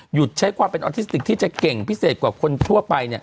ใช้ความเป็นออทิสติกที่จะเก่งพิเศษกว่าคนทั่วไป